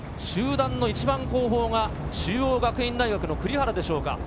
集団の一番後方が中央学院大学・栗原でしょうか。